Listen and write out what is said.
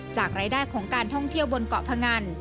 จากรายได้ของการท่องเที่ยวบนเกาะพงัน